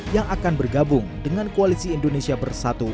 yang akan bergabung dengan koalisi indonesia bersatu